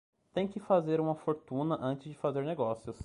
Tem que fazer uma fortuna antes de fazer negócios